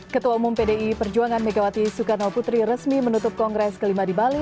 ketua umum pdi perjuangan megawati soekarno putri resmi menutup kongres kelima di bali